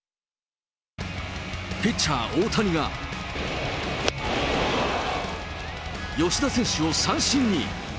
ピッチャー、大谷が吉田選手を三振に。